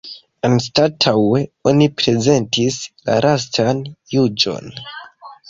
Anstataŭe oni prezentis la Lastan Juĝon.